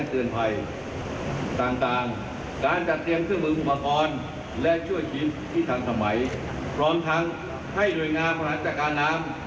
เพื่อเกิดเหตุการณ์จริงขึ้น